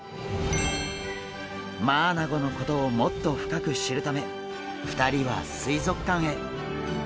マアナゴのことをもっと深く知るため２人は水族館へ。